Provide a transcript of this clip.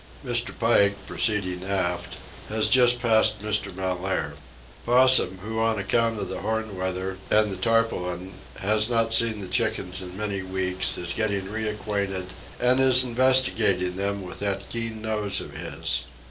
Mr. Pike, proceeding aft, has just passed Mr. Mellaire. Possum, who, on account of the Horn weather and the tarpaulin, has not seen the chickens for many weeks, is getting reacquainted, and is investigating them with that keen nose of his.